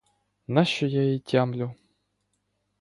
Нащо я її тямлю?